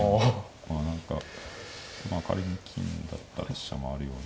まあ何か仮に金だったら飛車回るような。